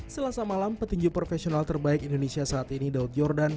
selasa malam petinju profesional terbaik indonesia saat ini daud yordan